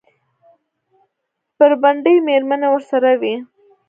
بربنډې مېرمنې ورسره وې.